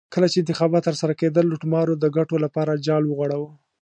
کله چې انتخابات ترسره کېدل لوټمارو د ګټو لپاره جال وغوړاوه.